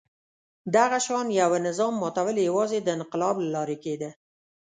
دغه شان یوه نظام ماتول یوازې د انقلاب له لارې کېده.